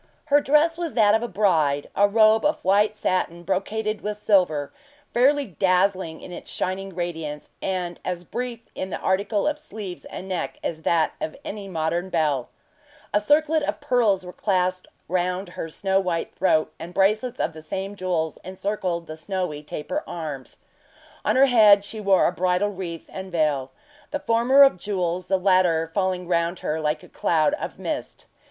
Her dress was that of a bride; a robe of white satin brocaded with silver, fairly dazzling in its shining radiance, and as brief in the article of sleeves and neck as that of any modern belle. A circlet of pearls were clasped round her snow white throat, and bracelets of the same jewels encircled the snowy taper arms. On her head she wore a bridal wreath and veil the former of jewels, the latter falling round her like a cloud of mist.